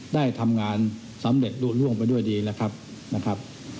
ได้ทำงานสำเร็จร่วงไปด้วยดีนะครับ